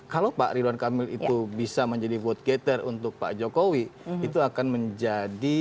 kalau pak ridwan kamil itu bisa menjadi vote gator untuk pak jokowi itu akan menjadi